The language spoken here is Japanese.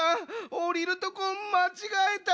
おりるとこまちがえた！